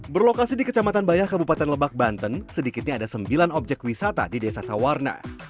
berlokasi di kecamatan bayah kabupaten lebak banten sedikitnya ada sembilan objek wisata di desa sawarna